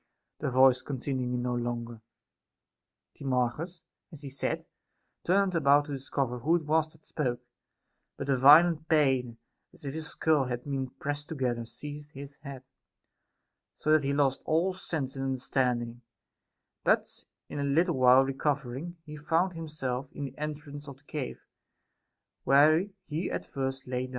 The voice continuing no longer, Timarchus (as he said) turned about to discover who it was that spoke ; but a violent pain, as if his skull had been pressed together, seized his head, so that he lost all sense and understanding : but in a little while recovering, he found himself in the entrance of the cave, where he at first lay down.